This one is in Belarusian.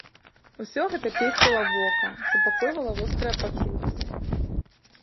Усё гэта песціла вока, супакойвала вострыя пачуцці.